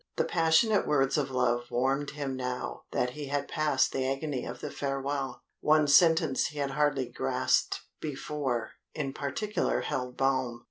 The passionate words of love warmed him now that he had passed the agony of the farewell. One sentence he had hardly grasped before, in particular held balm.